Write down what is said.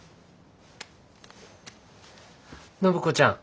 暢子ちゃん